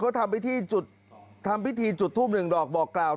ก็ทำไปที่จุดทำพิธีจุดทูบหนึ่งดอกบอกกล่าว